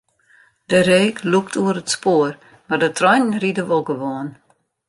De reek lûkt oer it spoar, mar de treinen ride wol gewoan.